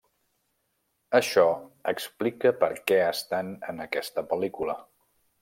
Això explica perquè estan en aquesta pel·lícula.